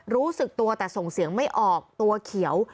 รู้สึกตัวแต่ส่งเสียงไม่ออกตัวเขียว